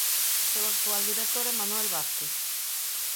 O seu actual director é Manuel Vázquez.